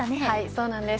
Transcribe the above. そうなんです。